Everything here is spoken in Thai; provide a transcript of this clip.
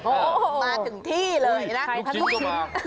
โอ้โฮมาถึงที่เลยนะพักลูกชิ้นลูกชิ้น